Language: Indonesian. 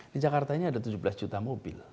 di jakartanya ada tujuh belas juta mobil